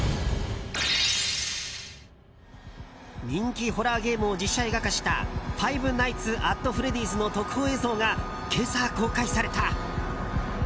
人気ホラーゲームを実写映画化した「ファイブ・ナイツ・アット・フレディーズ」の特報映像が今朝、公開された。